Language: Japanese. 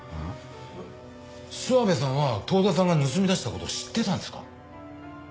諏訪部さんは遠田さんが盗み出した事を知ってたんですか？